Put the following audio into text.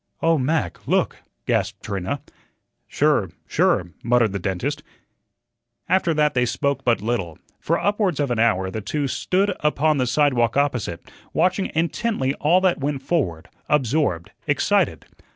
"Oh, Mac, look!" gasped Trina. "Sure, sure," muttered the dentist. After that they spoke but little. For upwards of an hour the two stood upon the sidewalk opposite, watching intently all that went forward, absorbed, excited.